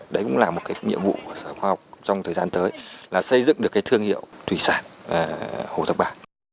đấy cũng là một nhiệm vụ của sở khoa học trong thời gian tới là xây dựng được cái thương hiệu thủy sản hồ thác bà